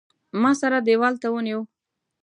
ما سره دېوال ته ونیو.